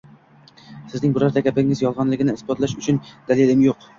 Sizning birorta gapingiz yolg`onligini isbotlash uchun dalilim yo`q